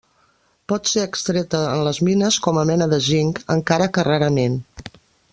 Pot ser extreta en les mines com a mena de zinc, encara que rarament.